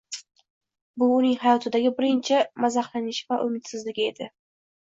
Bu uning hayotidagi birinchi mazaxlanishi va umidsizligi edi